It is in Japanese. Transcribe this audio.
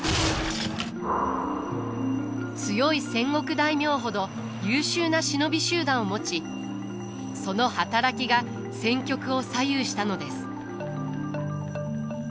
強い戦国大名ほど優秀な忍び集団を持ちその働きが戦局を左右したのです。